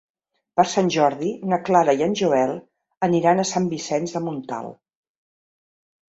Per Sant Jordi na Clara i en Joel aniran a Sant Vicenç de Montalt.